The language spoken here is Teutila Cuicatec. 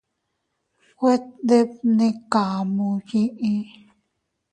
Güe debnekamu yee.